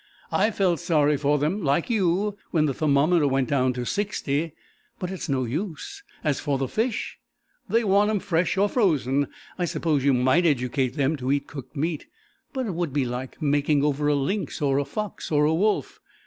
I've felt sorry for them, like you when the thermometer was down to sixty. But it's no use. As for the fish they want 'em fresh or frozen. I suppose you might educate them to eat cooked meat, but it would be like making over a lynx or a fox or a wolf.